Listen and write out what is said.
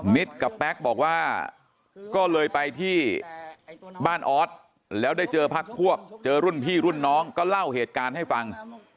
กับแป๊กบอกว่าก็เลยไปที่บ้านออสแล้วได้เจอพักพวกเจอรุ่นพี่รุ่นน้องก็เล่าเหตุการณ์ให้ฟัง